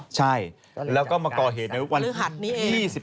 ใช่แล้วก็มาก่อเหตุในวันที่๒๑